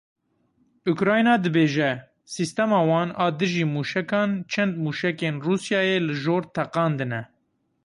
Ukrayna dibêje, sîstema wan a dijî mûşekan çend mûşekên Rûsyayê li jor teqandine.